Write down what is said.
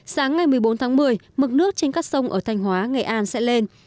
sáng ngày một mươi bốn tháng một mươi mực nước trên các sông ở thanh hóa nghệ an sẽ lên